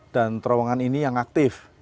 dan terowongan ini yang aktif